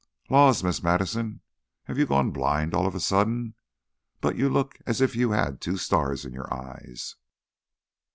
"Laws, Miss Madison, have you gone blind all of a sudden? But you look as if you had two stars in your eyes."